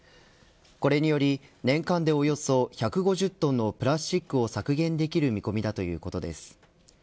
これにより年間でおよそ１５０トンのプラスチックを削減できる見込みだということです。